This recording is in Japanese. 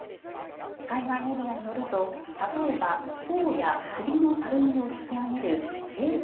海外メディアによると例えば、頬や首のたるみを引き上げるフェース